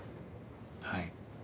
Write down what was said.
はい。